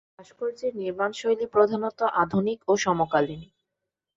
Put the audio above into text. ভাস্কর্যের নির্মাণশৈলী প্রধানত আধুনিক ও সমকালীন।